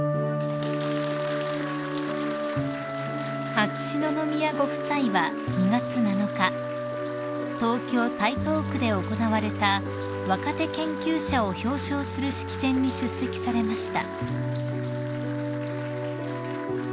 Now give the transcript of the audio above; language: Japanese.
［秋篠宮ご夫妻は２月７日東京台東区で行われた若手研究者を表彰する式典に出席されました］